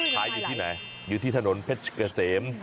ขายอยู่ที่ไหนอยู่ที่ถนนเพชรเกษม